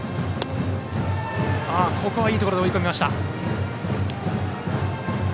ここはいいところで追い込みました。